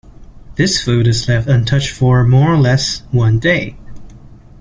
This food is left untouched for, more or less, one day.